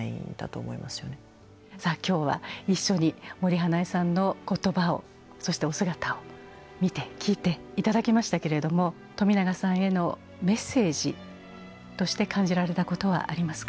さあ今日は一緒に森英恵さんの言葉をそしてお姿を見て聞いて頂きましたけれども冨永さんへのメッセージとして感じられたことはありますか？